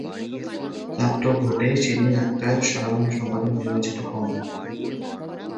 প্রাপ্ত ভোটে শিরীন আখতার সাধারণ সম্পাদক নির্বাচিত হন।